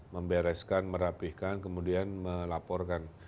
membereskan merapihkan kemudian melaporkan